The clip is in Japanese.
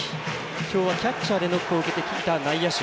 今日はキャッチャーでノックを受けてきた内野手。